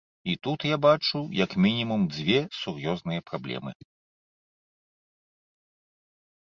І тут я бачу як мінімум дзве сур'ёзныя праблемы.